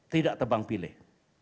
tidak tebang pilih